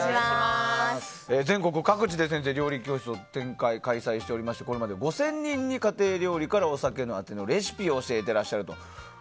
全国各地で先生は料理教室を展開していましてこれまで５０００人に家庭料理から、お酒のアテのレシピを教えていらっしゃると。